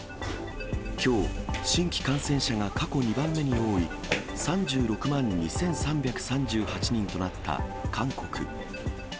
きょう、新規感染者が過去２番目に多い、３６万２３３８人となった韓国。